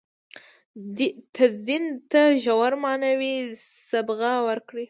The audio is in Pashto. تدین ته ژوره معنوي صبغه ورکړي.